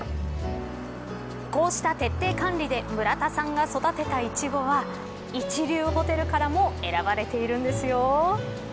こうした徹底管理で村田さんが育てたイチゴは一流ホテルからも選ばれているんですよ。